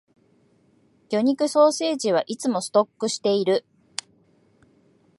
魚肉ソーセージはいつもストックしている